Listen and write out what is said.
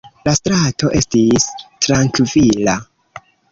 La strato estis trankvila.